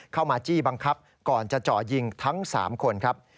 มาจี้บังคับก่อนจะเจาะยิงทั้ง๓คนครับ